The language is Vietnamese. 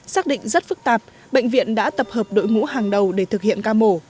xác định rất phức tạp bệnh viện đã tập hợp đội ngũ hàng đầu để thực hiện ca mổ